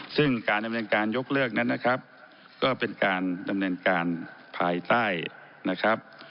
ซึ่งการดำเนินการยกเลิกนั้นนะครับก็เป็นการดำเนินการภายใต้นะครับ